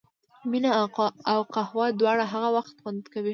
مینه او قهوه دواړه هغه وخت خوند کوي.